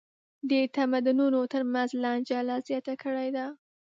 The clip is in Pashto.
د تمدنونو تر منځ لانجه لا زیاته کړې ده.